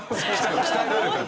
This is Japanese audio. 鍛えられたね。